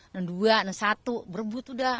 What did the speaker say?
dan dua dan satu berdebut udah